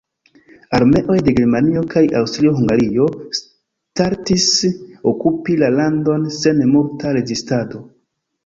Armeoj de Germanio kaj Aŭstrio-Hungario startis okupi la landon sen multa rezistado.